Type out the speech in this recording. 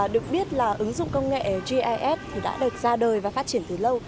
được biết là ứng dụng công nghệ gis thì đã được ra đời và phát triển từ lâu